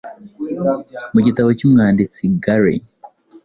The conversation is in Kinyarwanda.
Mu gitabo cy’umwanditsi, Gary